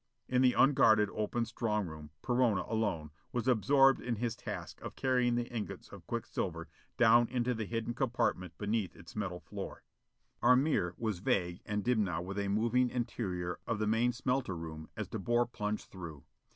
In the unguarded, open strong room, Perona, alone, was absorbed in his task of carrying the ingots of quicksilver down into the hidden compartment beneath its metal floor. Our mirror was vague and dim now with a moving interior of the main smelter room as De Boer plunged through.